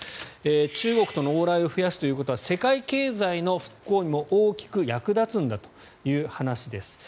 中国との往来を増やすということは世界経済の復興にも大きく役立つんだという話です。